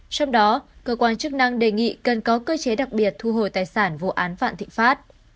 trong đó cơ quan chức năng đề nghị cần có cơ chế đặc biệt thu hồi tài sản vụ án vạn thịnh pháp